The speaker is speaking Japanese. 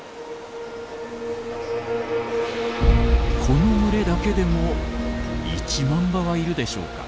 この群れだけでも１万羽はいるでしょうか。